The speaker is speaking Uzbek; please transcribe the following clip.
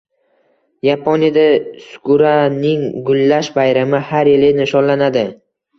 Yaponiyada sakuraning gullash bayrami har yili nishonlanadi